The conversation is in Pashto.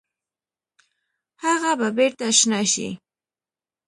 هغه به بیرته شنه شي؟